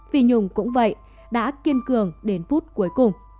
phi nhung cũng vậy đã kiên cường đến phút cuối cùng